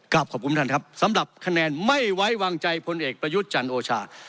ขอบคุณท่านครับสำหรับคะแนนไม่ไว้วางใจพลเอกประยุทธ์จันทร์โอชา